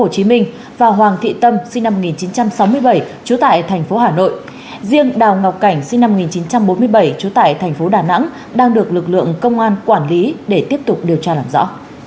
chú tại thành phố đà nẵng đang được lực lượng công an quản lý để tiếp tục điều tra làm rõ